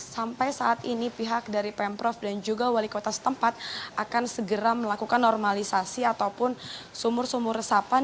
sampai saat ini pihak dari pemprov dan juga wali kota setempat akan segera melakukan normalisasi ataupun sumur sumur resapan